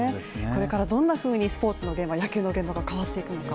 これからどんなふうにスポーツの現場野球の現場変わっていくのか